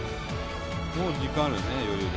もう時間あるね余裕で。